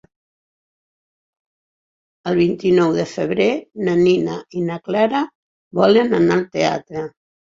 El vint-i-nou de febrer na Nina i na Clara volen anar al teatre.